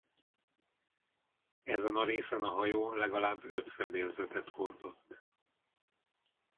Ezen a részen a hajó legalább öt fedélzetet hordott.